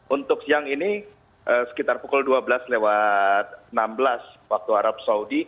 untuk siang ini sekitar pukul dua belas lewat enam belas waktu arab saudi